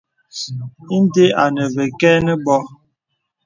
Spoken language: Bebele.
Inde enə və kə̀ nə bô.